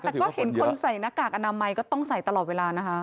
แต่ก็เห็นคนใส่หน้ากากอนามัยก็ต้องใส่ตลอดเวลานะคะ